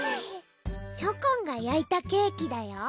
チョコンが焼いたケーキだよ。